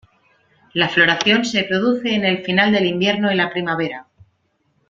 La floración se produce en el final del invierno y la primavera.